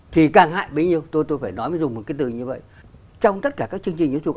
thì càng hại bấy nhiêu tôi tôi phải nói mới dùng một cái từ như vậy trong tất cả các chương trình giáo dục